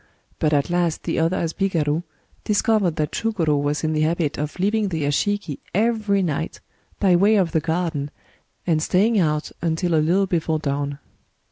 But at last the other ashigaru discovered that Chugoro was in the habit of leaving the yashiki every night, by way of the garden, and staying out until a little before dawn.